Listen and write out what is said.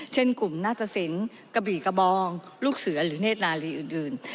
เช่นกลุ่มนาตสินกะบี่กระบองลูกเสือหรือเนธนาลีอื่น